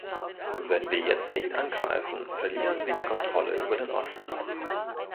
Wenn wir jetzt nicht angreifen, verlieren wir die Kontrolle über den Osten.